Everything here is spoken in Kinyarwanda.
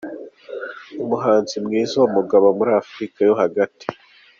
Umuhanzi mwiza w’umugabo muri Afurika yo hagati.